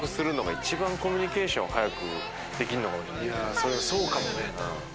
それそうかもね。